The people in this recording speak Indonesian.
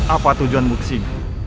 apa tujuan buksin